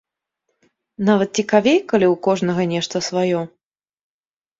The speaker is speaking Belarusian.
Нават цікавей, калі ў кожнага нешта сваё.